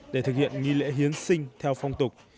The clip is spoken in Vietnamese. để thực hiện nghi lễ hiến sinh theo phong tục